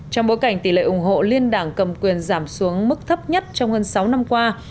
trong bối cảnh tỷ lệ ủng hộ liên đảng cầm quyền giảm xuống mức thấp nhất trong hơn sáu năm qua